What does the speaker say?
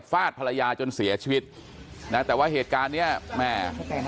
ฟาดภรรยาจนเสียชีวิตนะแต่ว่าเหตุการณ์เนี้ยแม่